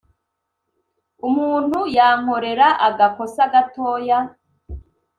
umuntu yankorera agakosa gatoya